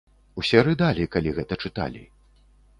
Усе рыдалі, калі гэта чыталі.